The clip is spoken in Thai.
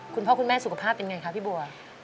คุณพ่อคุณแม่สุขภาพเป็นไงคะพี่บัว